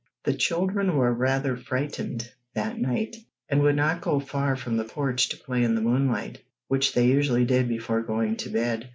The children were rather frightened that night, and would not go far from the porch to play in the moonlight, which they usually did before going to bed.